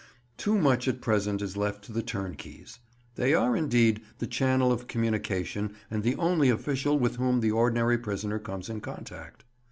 Too much at present is left to the turnkeys. They are, indeed, the channel of communication and the only official with whom the ordinary prisoner comes in contact.